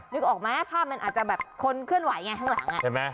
นึกออกไหมภาพมันอาจจะแบบคนเคลื่อนไหวอย่างงี้ข้างหลัง